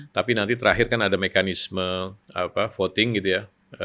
tapi nanti terakhir kan ada mekanisme voting gitu ya